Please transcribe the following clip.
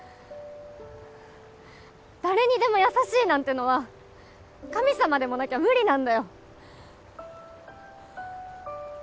誰にでも優しいなんてのは神様でもなきゃ無理なんだよ！